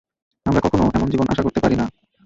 আমরা কখনো এমন জীবন আশা করতে পারি না।